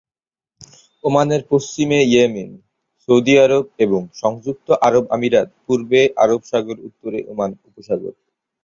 ওমানের পশ্চিমে Yemen, Saudi Arabia সংযুক্ত আরব আমিরাত, পূর্বে আরব সাগর, উত্তরে ওমান উপসাগর।